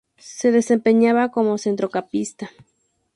Se desempeñaba como Centrocampista.